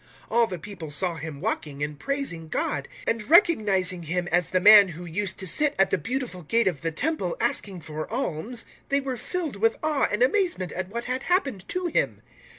003:009 All the people saw him walking and praising God; 003:010 and recognizing him as the man who used to sit at the Beautiful Gate of the Temple asking for alms, they were filled with awe and amazement at what had happened to him.